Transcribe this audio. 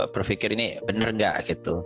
berpikir ini benar nggak gitu